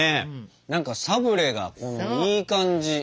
何かサブレがいい感じ。